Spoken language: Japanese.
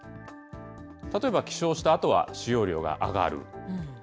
例えば起床したあとは使用量が上がる。